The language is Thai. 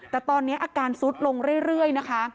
แต่ตอนนี้อาการซุดลงเรื่อยนะคะ